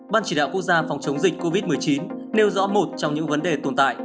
ban chỉ đạo quốc gia phòng chống dịch covid một mươi chín nêu rõ một trong những vấn đề tồn tại